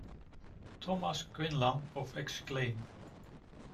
Thomas Quinlan of Exclaim!